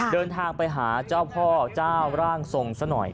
เดินทางไปหาเจ้าพ่อเจ้าร่างทรงซะหน่อย